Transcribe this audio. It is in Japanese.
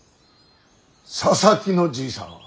佐々木のじいさんは。